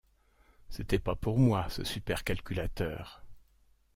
C’était pas pour moi, ce super-calculateur!